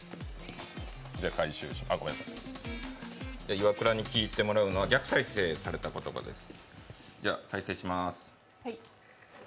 イワクラに聞いてもらうのは逆再生された言葉です。